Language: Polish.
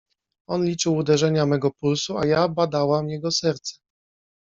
On liczył uderzenia mego pulsu, a ja badałam jego serce…